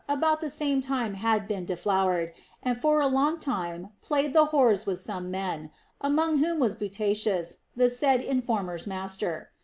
about the same time had been deflowered, and for a long time played the whores with some men, among whom was Butetius, the said informer's master.